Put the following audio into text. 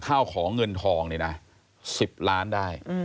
ข้าวของเงินทองเนี่ยนะ๑๐ล้านได้